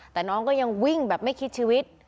แต่น้องก็ยังวิ่งแบบไม่คิดชีวิต